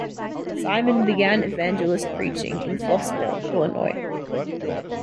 Simon began evangelist preaching in Flossmoor, Illinois.